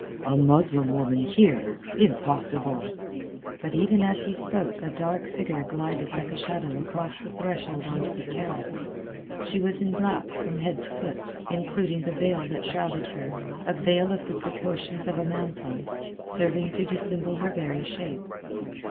"A Muslim woman, here? Impossible!" But even as he spoke a dark figure glided like a shadow across the threshold on to the terrace. She was in black from head to foot, including the veil that shrouded her, a veil of the proportions of a mantle, serving to dissemble her very shape.